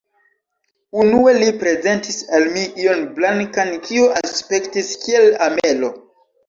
Unue li prezentis al mi ion blankan, kio aspektis kiel amelo.